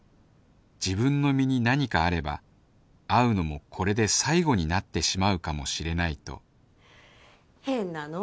自分の身に何かあれば会うのもこれで最後になってしまうかもしれないと変なの！